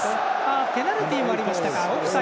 ペナルティもありましたか。